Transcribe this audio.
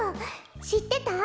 しってた？